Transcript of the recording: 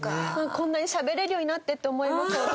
こんなにしゃべれるようになってって思います。